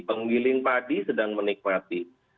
pengwiling padi sedang menikmati